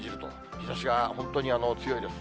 日ざしが本当に強いです。